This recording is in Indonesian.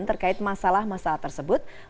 terkait masalah masalah tersebut